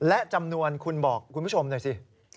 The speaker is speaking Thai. และจำนวนคุณบอกคุณผู้ชมหน่อยสิ